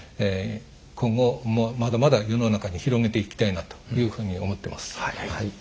今後まだまだ世の中に広めていきたいなというふうに思ってます。